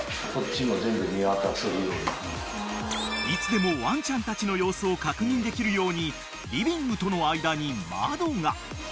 ［いつでもワンちゃんたちの様子を確認できるようにリビングとの間に窓が］